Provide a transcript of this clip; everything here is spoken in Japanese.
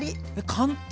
簡単！